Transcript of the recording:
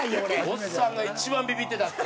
オッサンが一番ビビってたって。